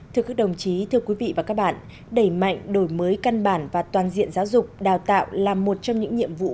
thưa quý vị và các bạn đẩy mạnh đổi mới căn bản và toàn diện giáo dục đào tạo là một trong những nhiệm vụ